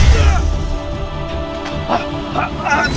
dia berada di luar sana